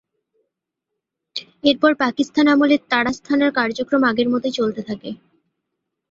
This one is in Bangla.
এরপর পাকিস্তান আমলে তাড়াশ থানার কার্যক্রম আগের মতোই চলতে থাকে।